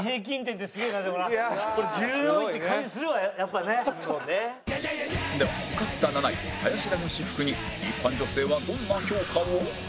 では勝った７位林田の私服に一般女性はどんな評価を？